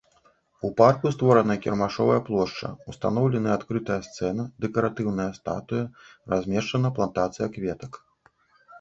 У парку створана кірмашовая плошча, ўстаноўлены адкрытая сцэна, дэкаратыўная статуя, размешчана плантацыя кветак.